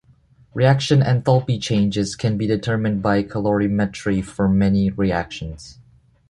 Reaction enthalpy changes can be determined by calorimetry for many reactions.